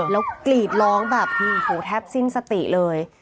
แล้วกรีดร้องแบบโอ้โหแทบสิ้นสติเลย